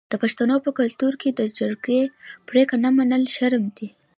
د پښتنو په کلتور کې د جرګې پریکړه نه منل شرم دی.